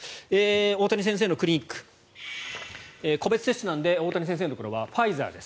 大谷先生のクリニック個別接種なので大谷先生のところはファイザーです。